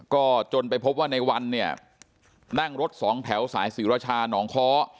ก็จนไปพบว่าในวันเนี่ยนั่งรถสองแถวสายศรีรชาหนองค้อ